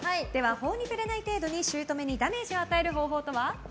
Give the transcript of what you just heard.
法に触れない程度に姑にダメージを与える方法とは？